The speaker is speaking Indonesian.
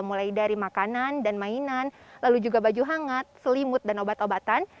mulai dari makanan dan mainan lalu juga baju hangat selimut dan obat obatan